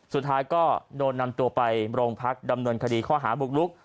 สุดท้ายก็โดนนำตัวไปโรงพักดำเนินคดีข้อหาบุกลุก